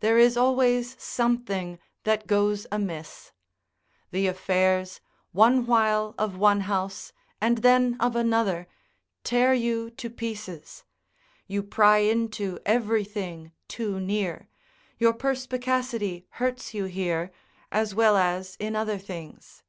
There is always something that goes amiss. The affairs, one while of one house, and then of another, tear you to pieces; you pry into everything too near; your perspicacity hurts you here, as well as in other things.